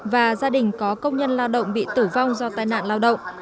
và gia đình có công nhân lao động bị tử vong do tai nạn lao động